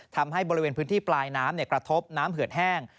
ทำให้บริเวณพื้นที่ปลายน้ำกระทบน้ำเหือดแห้ง